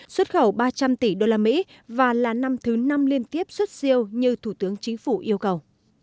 xuất khẩu ba trăm linh tỷ đô la mỹ và là năm thứ năm liên tiếp xuất siêu như thủ tướng chính phủ yêu cầu